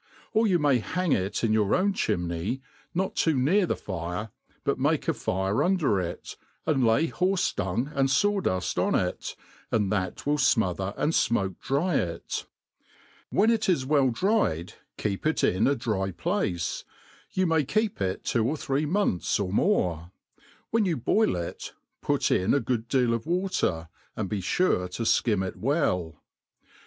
or you may hang it in your own chimney, not too near the fire, but make a fire under it, and lay horfe dung and faw duft on it, and that will fmother and finoke dry it ; when it is well dried keep it in a dry place ; you may keep it two or three months, or more : when you boil it put in a good deal of water, and be fure to fkim it well.